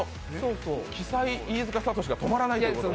鬼才・飯塚悟志が止まらないということで。